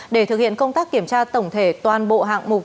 để thực hiện công tác kiểm tra tổng thể toàn bộ hạng mục